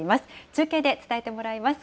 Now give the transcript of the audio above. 中継で伝えてもらいます。